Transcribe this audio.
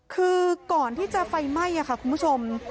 คือก่อนที่จะไฟไหม้ค่ะคุณผู้ชม